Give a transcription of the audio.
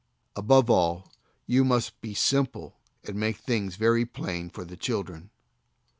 ' Above all you must be simple and make things very plain for the children.